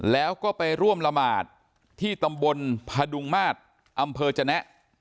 แล้วก็ไปร่วมละหมาดที่ตำบลพดุงมาตรอำเภอจนะ